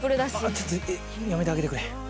ちょっとやめてあげてくれ。